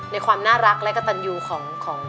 ความน่ารักและกระตันยูของ